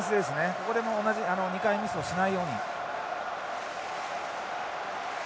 ここで同じ２回ミスをしないように。